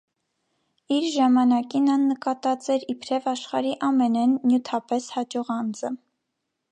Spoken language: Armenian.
Իր ժամանակին ան նկատուած էր իբրեւ աշխարհի ամէնէն նիւթապէս յաջող անձը։